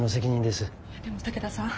でも武田さん。